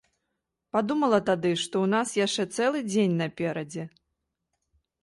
Падумала тады, што ў нас яшчэ цэлы дзень наперадзе.